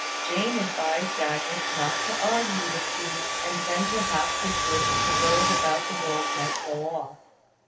Jane advised Agnes not to argue with Hugh, and then perhaps his wish to rove about the world might go off.